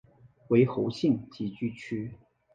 为侯姓集居区。